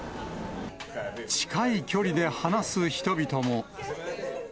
近い距離で話す人々も。